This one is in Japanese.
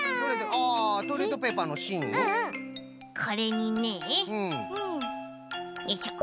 これにねよいしょ